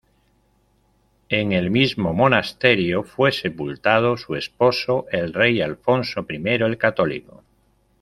En el mismo monasterio fue sepultado su esposo, el rey Alfonso I el Católico.